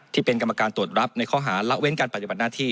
ที่เป็นกรรมการตรวจรับในข้อหาละเว้นการปฏิบัติหน้าที่